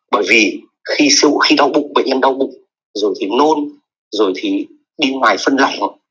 bởi vì khi đau bụng bệnh nhân đau bụng rồi thì nôn rồi thì đi ngoài phân lỏng